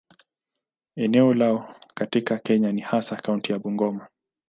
Eneo lao katika Kenya ni hasa kaunti ya Bungoma.